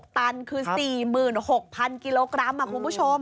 ตันคือ๔๖๐๐กิโลกรัมคุณผู้ชม